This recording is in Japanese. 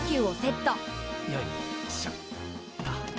よいしょっと。